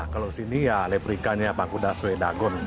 kalau di sini ya leprika pakuda suedagon